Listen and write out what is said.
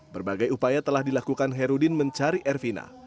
berbagai upaya telah dilakukan herudin mencari ervina